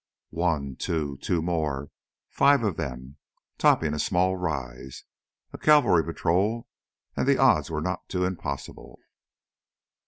One, two ... two more ... five of them, topping a small rise. A cavalry patrol ... and the odds were not too impossible.